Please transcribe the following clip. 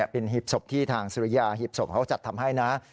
เป็นหีบศพที่ทางสุริยาหีบศพเขาจัดทำให้นะ